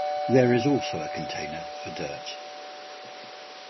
There is also a container for dirt.